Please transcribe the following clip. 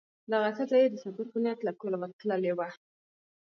دغه ښځه یې د سفر په نیت له کوره تللې وه.